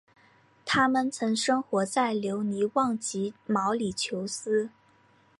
它们曾生活在留尼旺及毛里裘斯。